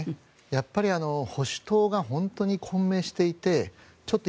やっぱり保守党が本当に混迷していてちょっと